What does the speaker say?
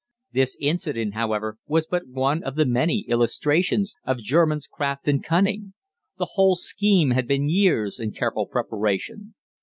This incident, however, was but one of the many illustrations of German's craft and cunning. The whole scheme had been years in careful preparation.